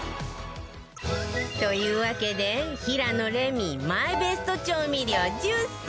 というわけで平野レミマイベスト調味料１０選